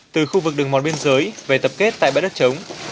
từ khu vực đường mòn biên giới về tập kết tại bãi đất chống